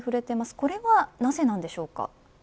これは、なぜなんでしょうか。